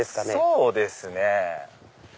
そうですね。